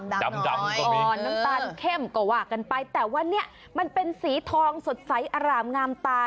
ดำก่อนน้ำตาลเข้มก็ว่ากันไปแต่ว่าเนี่ยมันเป็นสีทองสดใสอร่ามงามตา